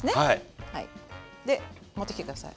で持ってきて下さい。